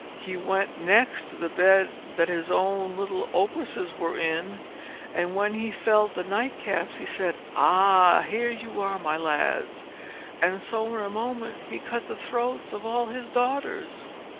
He went next to the bed that his own little Ogresses were in, and when he felt the nightcaps, he said, "Ah! here you are, my lads:" and so in a moment he cut the throats of all his daughters.